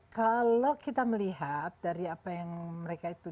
kalau kita melihat dari apa yang mereka itu